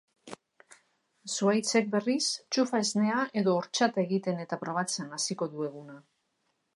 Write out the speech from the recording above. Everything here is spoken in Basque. Zuhaitzek, berriz, txufa-esnea edo hortxata egiten eta probatzen hasiko du eguna.